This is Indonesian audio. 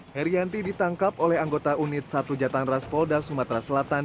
herianti ditangkap oleh anggota unit satu jatang ras polda sumatera selatan